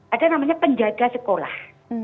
ada namanya penjaga sekolah